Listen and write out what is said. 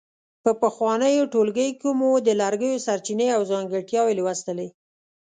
په پخوانیو ټولګیو کې مو د لرګیو سرچینې او ځانګړتیاوې لوستلې.